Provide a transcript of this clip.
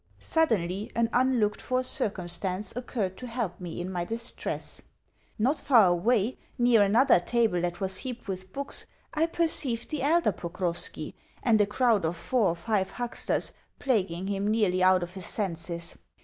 Suddenly an unlooked for circumstance occurred to help me in my distress. Not far away, near another table that was heaped with books, I perceived the elder Pokrovski, and a crowd of four or five hucksters plaguing him nearly out of his senses.